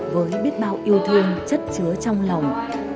với biết bao yêu thương chất chứa trong lòng